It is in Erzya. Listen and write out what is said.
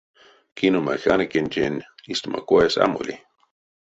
Киномеханикентень истямо коесь а моли.